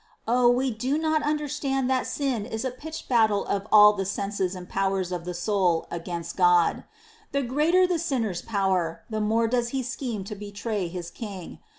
3. Oh ! we do not understand that sin is a pitched battle of all the senses and powers of the soul against God : the greater the sinner's power, the more does he scheme to betray his King.